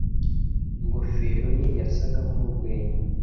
ingofero ye yasaga nkurwenya